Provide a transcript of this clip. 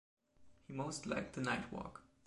He most liked the night walk.